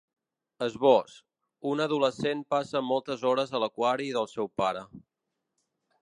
Esbós: Una adolescent passa moltes hores a l’aquari del seu pare.